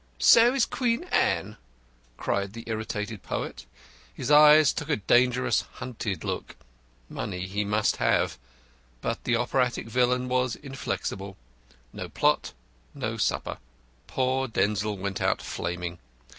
"So is Queen Anne," cried the irritated poet. His eyes took a dangerous hunted look. Money he must have. But the operatic villain was inflexible. No plot, no supper. Poor Denzil went out flaming.